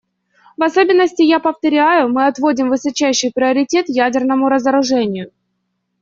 В особенности, я повторяю, мы отводим высочайший приоритет ядерному разоружению.